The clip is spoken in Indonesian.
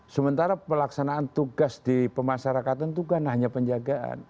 sementara pelaksanaan tugas di pemasarakatan itu kan hanya penjagaan